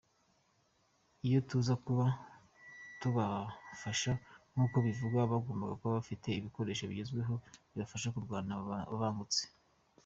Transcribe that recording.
Iyo tuza kuba tubafasha nkuko bivugwa, bagombaga kuba bafite ibikoresho bigezweho, bibafasha kurwana babangutse.